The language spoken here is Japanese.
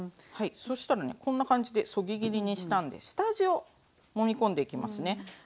そしたらねこんな感じでそぎ切りにしたんで下味をもみ込んでいきますね。